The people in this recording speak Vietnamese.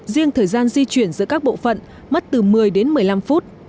riêng thời gian di chuyển giữa các bộ phận mất từ một mươi đến một mươi năm phút